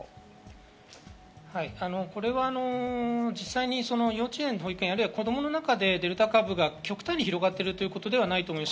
これは実際に幼稚園、保育園、子供の中でデルタ株が極端に広がっているということではないと思います。